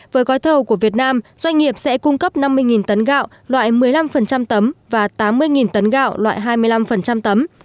với gói thầu của việt nam doanh nghiệp sẽ cung cấp năm mươi tấn gạo loại một mươi năm tấm và tám mươi tấn gạo loại hai mươi năm tấm